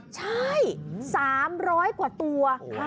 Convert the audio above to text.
ใช่๓๐๐กว่าตัว